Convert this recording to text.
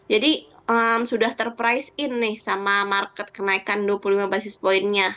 sudah terprise in nih sama market kenaikan dua puluh lima basis pointnya